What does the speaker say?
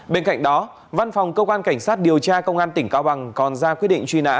bên cạnh đó văn phòng cơ quan cảnh sát điều tra công an tỉnh cao bằng còn ra quyết định truy nã